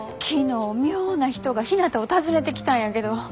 昨日妙な人がひなたを訪ねてきたんやけど。